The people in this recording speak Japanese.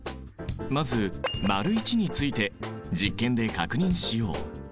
まず①について実験で確認しよう。